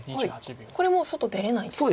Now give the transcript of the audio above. これもう外出れないんですね。